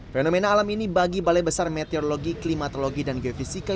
fenomena alam ini bagi balai besar meteorologi klimatologi dan geofisika